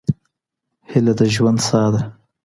هيله د ژوند ساه ده.